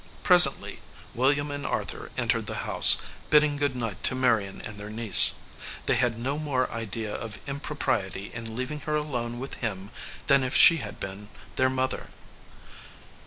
Presently William and Arthur entered the house, bidding good night to Marion and their niece. They had no more idea of impropriety in leaving her alone with him than if she had been their mother.